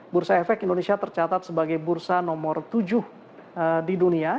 bursa efek indonesia tercatat sebagai bursa nomor tujuh di dunia